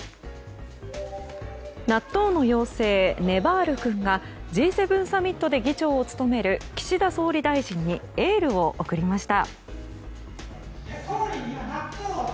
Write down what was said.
納豆の妖精ねばる君がＧ７サミットで議長を務める岸田総理大臣にエールを送りました。